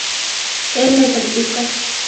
Él es el chico".